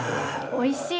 おいしい。